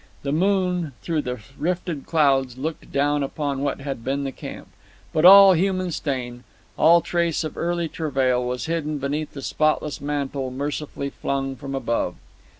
The moon through the rifted clouds looked down upon what had been the camp. But all human stain, all trace of earthly travail, was hidden beneath the spotless mantle mercifully flung from above.